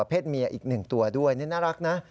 เพศเมียอีกหนึ่งตัวด้วยนี่น่ารักนะ